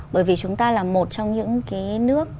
bởi vì chúng ta là một trong những nước